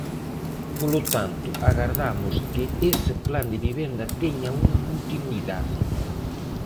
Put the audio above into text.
Polo tanto, agardamos que ese plan de vivenda teña unha continuidade.